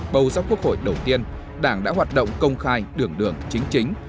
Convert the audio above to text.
bầu ra quốc hội đầu tiên đảng đã hoạt động công khai đường đường chính chính